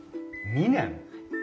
２年！？